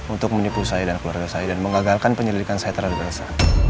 untuk menipu saya dan keluarga saya dan mengagalkan penyelidikan saya terhadap bangsa